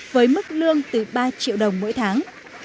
với mức lương từ ba triệu đồng mỗi tháng